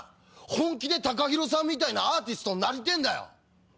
本気でＴＡＫＡＨＩＲＯさんみたいなアーティストになりてぇんだよ。